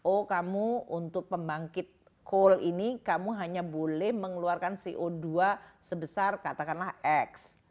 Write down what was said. oh kamu untuk pembangkit coal ini kamu hanya boleh mengeluarkan co dua sebesar katakanlah x